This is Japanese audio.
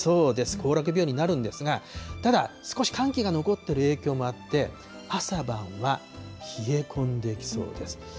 行楽日和になるんですが、ただ少し寒気が残ってる影響もあって、朝晩は冷え込んできそうです。